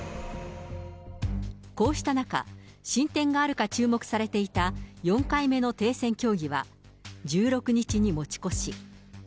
こうした中、進展があるか注目されていた４回目の停戦協議は１６日に持ち越し。